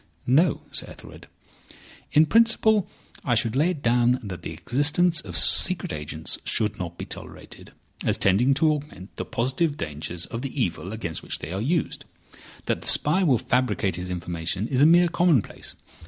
"No, Sir Ethelred. In principle, I should lay it down that the existence of secret agents should not be tolerated, as tending to augment the positive dangers of the evil against which they are used. That the spy will fabricate his information is a mere commonplace.